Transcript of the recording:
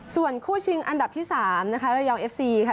ส่วนคู่ชิงอันดับที่๓นะคะระยองเอฟซีค่ะ